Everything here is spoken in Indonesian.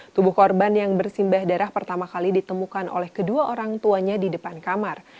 tubuh korban yang bersimbah darah pertama kali ditemukan oleh kedua orang tuanya di depan kamar